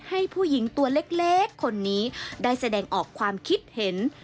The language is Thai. ให้ผู้หญิงตัวเล็กคนนี้ได้แสดงออกความคิดเห็น